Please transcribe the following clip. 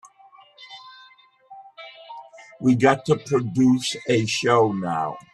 We've got to produce a show now.